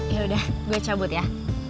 yaudah gue cabut ya